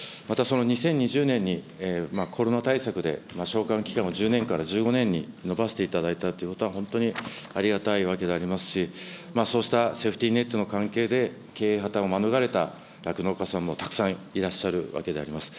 また年にコロナ対策で償還期間を１０年から１５年に延ばしていただいたということは、本当にありがたいわけでありますし、そうしたセーフティネットの関係で経営破綻を免れた酪農家さんもたくさんいらっしゃるわけであります。